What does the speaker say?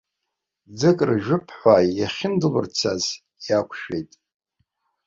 Ӡык ржәып ҳәа иахьындәылырцаз иақәшәеит.